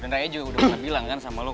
dan raya juga udah pernah bilang kan sama lo